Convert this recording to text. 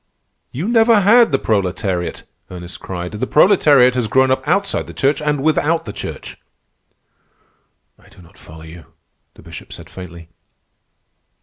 "You never had the proletariat," Ernest cried. "The proletariat has grown up outside the Church and without the Church." "I do not follow you," the Bishop said faintly.